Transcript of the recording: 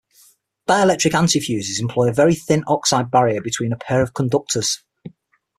Dielectric antifuses employ a very thin oxide barrier between a pair of conductors.